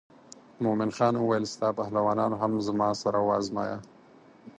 مومن خان وویل ستا پهلوانان هم زما سره وازمایه.